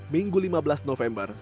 minggu lima belas november